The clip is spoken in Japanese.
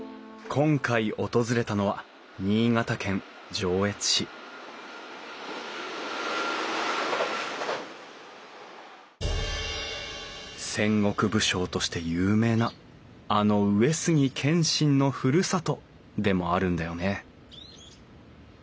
今回訪れたのは新潟県上越市戦国武将として有名なあの上杉謙信のふるさとでもあるんだよね